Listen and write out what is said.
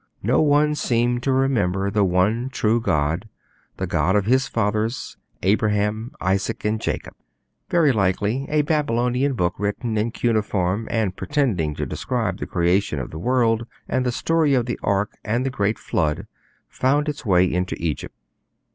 No one seemed to remember the One True God, the God of his fathers, Abraham, Isaac, and Jacob. Very likely a Babylonian book written in cuneiform, and pretending to describe the Creation of the world, and the story of the Ark and the great Flood found its way into Egypt.